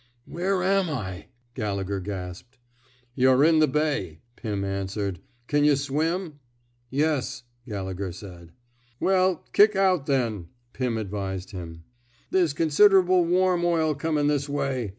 ^^ Where am I? '^ Gallegher gasped. Yuh're in the bay/^ Pim answered. Can yuh swim! '^Yes,'* Gallegher said. ^^ Well, kick out, then,*' Pim advised him. There *s considerable warm oil comin* this way.'